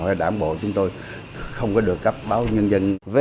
hay đảng bộ chúng tôi không có được cấp báo nhân dân